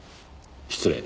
失礼。